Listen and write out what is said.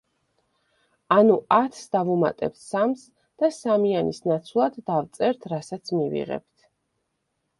ანუ ათს დავუმატებთ სამს და სამიანის ნაცვლად დავწერთ რასაც მივიღებთ.